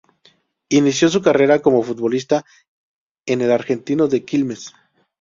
Inició su carrera como futbolista en el Argentino de Quilmes.